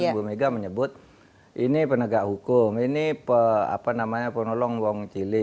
ibu megawati soekarno putri menyebut ini penegak hukum ini penolong uang cili